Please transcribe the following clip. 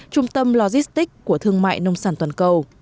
trung tâm logistics của thương mại nông sản toàn cầu